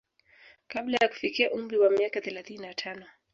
Kabla ya kufikia umri wa miaka thelathini na tano